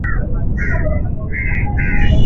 Chagua nyanya nne za ukubwa wa kati